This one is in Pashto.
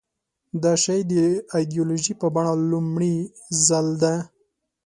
دا شی د ایدیالوژۍ په بڼه لومړي ځل ده.